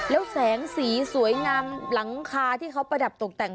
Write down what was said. แล้วแสงสีสวยงามหลังคาที่เขาประดับตกแต่ง